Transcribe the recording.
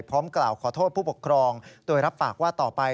กล่าวขอโทษผู้ปกครองโดยรับปากว่าต่อไป